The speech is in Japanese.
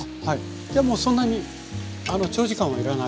じゃあもうそんなに長時間は要らない。